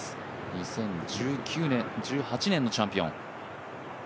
２０１９、１８年のチャンピオン。